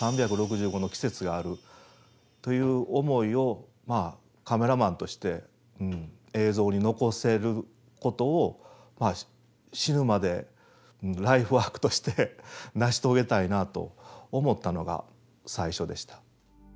という思いをカメラマンとして映像に残せることを死ぬまでライフワークとして成し遂げたいなと思ったのが最初でした。